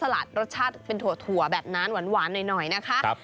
รสชาติเป็นถั่วแบบนั้นหวานหน่อยนะคะ